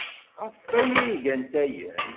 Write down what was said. Ɣef waya ay gant ayen.